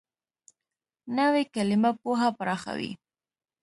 نوې کلیمه پوهه پراخوي